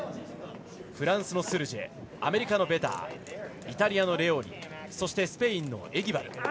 フランスのスルジェアメリカのベダーイタリアのレオーニそしてスペインのエギバル。